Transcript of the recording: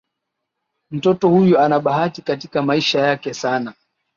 Mtoto huyu ana bahati katika maisha yake sana.